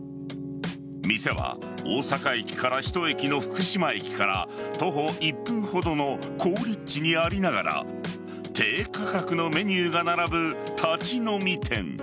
店は大阪駅から１駅の福島駅から徒歩１分ほどの好立地にありながら低価格のメニューが並ぶ立ち飲み店。